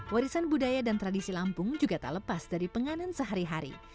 warisan budaya dan tradisi lampung juga tak lepas dari penganan sehari hari